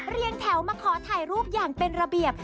แถวมาขอถ่ายรูปอย่างเป็นระเบียบ